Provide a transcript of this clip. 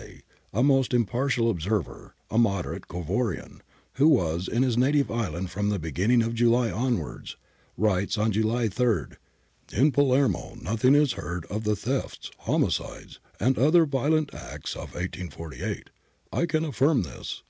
Michele Amari, a most impartial observer, a moderate Cavourian, who was in his native island from the beginning of July onwards, writes on July 3 : 'In Palermo nothing is heard of the thefts, homicides, and other violent acts of 1848. I can affirm this.